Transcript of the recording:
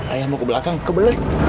ayah mau ke belakang kebelet